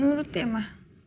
nurut ya ma